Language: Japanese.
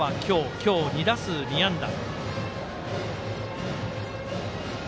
今日、２打数２安打。